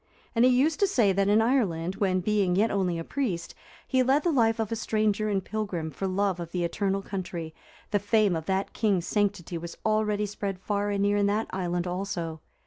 And he used to say that in Ireland, when, being yet only a priest, he led the life of a stranger and pilgrim for love of the eternal country, the fame of that king's sanctity was already spread far and near in that island also.